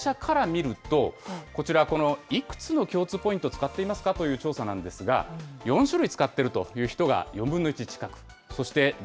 その結果、利用者から見ると、こちら、いくつの共通ポイントを使っていますかという調査なんですが、４種類使ってるという人が４分の１近く。